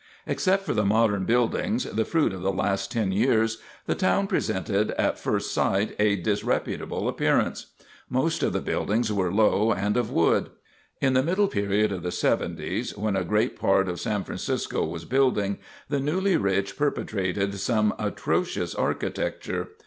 Except for the modern buildings, the fruit of the last ten years, the town presented at first sight a disreputable appearance. Most of the buildings were low and of wood. In the middle period of the '70's, when, a great part of San Francisco was building, the newly rich perpetrated some atrocious architecture.